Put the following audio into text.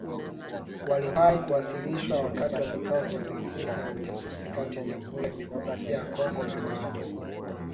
“Waliwahi kuwasilishwa wakati wa kikao cha maafisa wa ujasusi kati ya Jamuhuri ya Kidemokrasia ya Kongo na Rwanda"